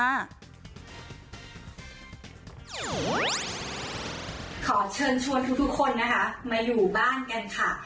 ขอเชิญชวนทุกคนนะคะมาอยู่บ้านกันค่ะ